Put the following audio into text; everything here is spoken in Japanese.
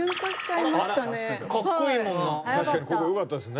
確かによかったですね。